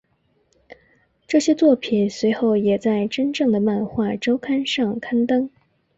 这些作品随后也在真正的漫画周刊上刊登。